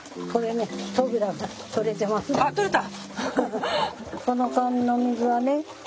あ取れた！